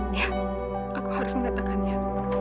iya aku harus mengatakannya